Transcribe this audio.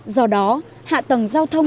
do đó hạ tầng giao thông